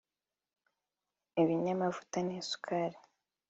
ibinyamavuta n’isukari